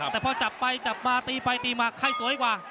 แต่พอจับไปจับมาตีไปตีมาไข้สวยกว่า